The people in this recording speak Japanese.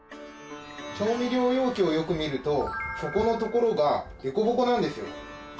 調味料容器をよく見ると底のところが凸凹なんですよ。